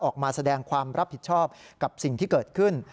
ออกมาแสดงความรับผิดชอบกับสิ่งที่เกิดขึ้น